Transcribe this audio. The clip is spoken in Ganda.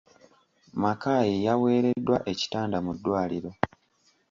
Makayi yaweereddwa ekitanda mu ddwaliro.